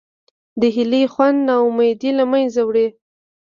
د هیلې خوند نا امیدي له منځه وړي.